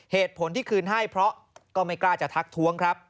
เหตุผลที่คืนให้เพราะก็ไม่กล้าจะทักท้วงครับ